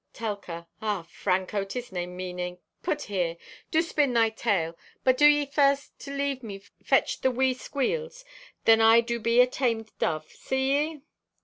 (Telka) "Ah, Franco, 'tis nay meaning! Put here. Do spin thy tale, but do ye first to leave me fetch the wee squeals. Then I do be a tamed dove. See ye?"